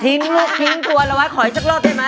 ทิ้งลูกทิ้งตัวละวะขออีกสักรอบได้มั้ย